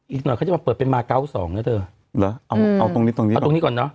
อีกหน่อยเขาจะมาเปิดเป็นมาร์เกาส์สองนะเธอเอาตรงนี้ตรงนี้ตรงนี้ก่อนเนอะ